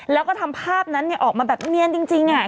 แล้วก็ทำภาพนั้นออกมาแบบเนียนจริง